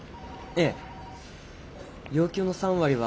ええ。